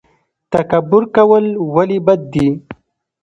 تکبر کول ولې بد دي؟